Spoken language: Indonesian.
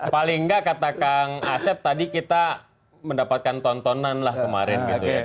paling nggak kata kang asep tadi kita mendapatkan tontonan lah kemarin gitu ya